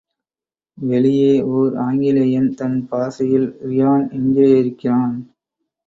வெளியே ஒர் ஆங்கிலேயன் தன் பாஷையில் ரியான் எங்கேயிருக்கிறான்?